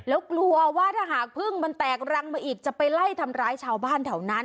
แล้วกลัวว่าถ้าหากพึ่งมันแตกรังมาอีกจะไปไล่ทำร้ายชาวบ้านแถวนั้น